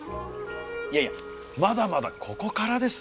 いやいやまだまだここからですよ。